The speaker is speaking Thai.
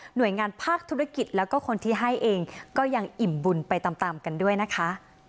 โดยงานภาคธุรกิจแล้วก็คนที่ให้เองก็ยังอิ่มบุญไปตามตามกันด้วยนะคะ